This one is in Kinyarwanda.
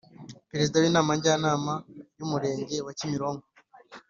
Perezida w Inama Njyanama y Umurenge wa kimironko